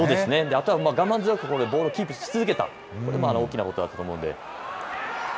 あとは我慢強くボールをキープし続けた、これも大きなことだったと思うので。